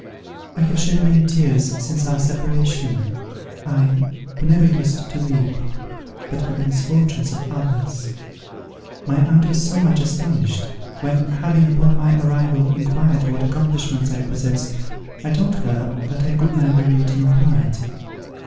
"I have shed many tears since our separation, I who never used to weep, but for the misfortunes of others! My aunt was much astonished, when, having, upon my arrival, inquired what accomplishments I possessed, I told her that I could neither read nor write.